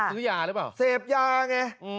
ซื้อยาหรือเปล่าเสพยาไง